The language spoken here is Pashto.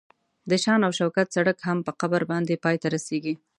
د شان او شوکت سړک هم په قبر باندې پای ته رسیږي.